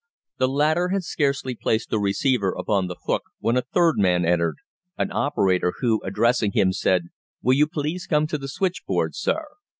The latter had scarcely placed the receiver upon the hook when a third man entered an operator who, addressing him, said: "Will you please come to the switchboard, sir?